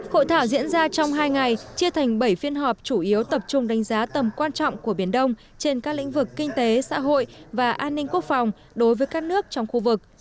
hội thảo diễn ra trong hai ngày chia thành bảy phiên họp chủ yếu tập trung đánh giá tầm quan trọng của biển đông trên các lĩnh vực kinh tế xã hội và an ninh quốc phòng đối với các nước trong khu vực